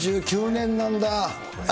９９年なんだ。